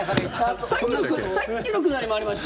さっきのくだりもありました。